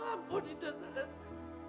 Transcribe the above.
ampun itu selesai